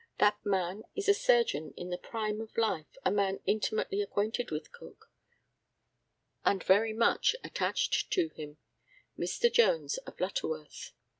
That man is a surgeon in the prime of life, a man intimately acquainted with Cook, and very much attached to him Mr. Jones, of Lutterworth.